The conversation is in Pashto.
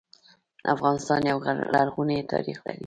افغانستان يو لرغونی تاريخ لري